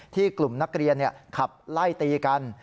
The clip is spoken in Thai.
กลุ่มนักเรียนขับไล่ตีกัน